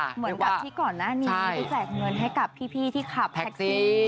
เหมือนกับที่ก่อนหน้านี้ไปแจกเงินให้กับพี่ที่ขับแท็กซี่